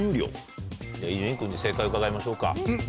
伊集院君に正解を伺いましょうか。